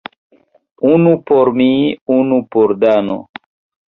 Unu por mi, unu por Dano.